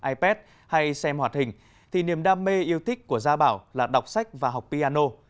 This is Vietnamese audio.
ipad hay xem hoạt hình thì niềm đam mê yêu thích của gia bảo là đọc sách và học piano